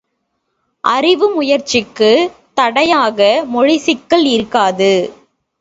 அறிவு முயற்சிக்குத் தடையாக மொழிச்சிக்கல் இருக்காது!